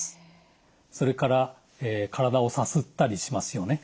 それから体をさすったりしますよね。